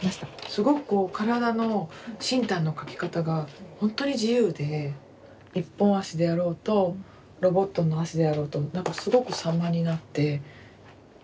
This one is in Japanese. すごく身体の描き方が本当に自由で一本足であろうとロボットの足であろうとすごく様になって。